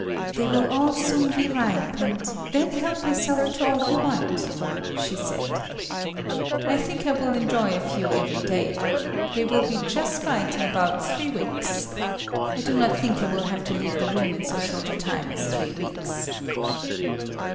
"They will all soon be ripe, and then help yourself to all you want," she said. I think I will enjoy a few every day. They will be just right in about three weeks. I do not think I will have to leave the town in so short a time as three weeks.